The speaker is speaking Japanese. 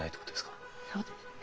そうですね。